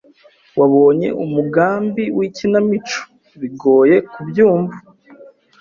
Wabonye umugambi wikinamico bigoye kubyumva?